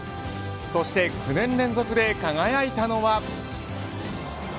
そして９年連続で輝いたのは。